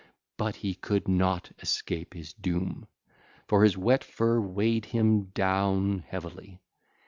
But he could not escape his doom, for his wet fur weighed him down heavily.